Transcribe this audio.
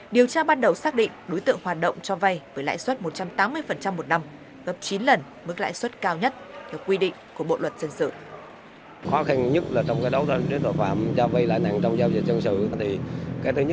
điều tra ban đầu xác định đối tượng hoạt động cho vay với lãi suất một trăm tám mươi một năm gấp chín lần mức lãi suất cao nhất theo quy định của bộ luật dân sự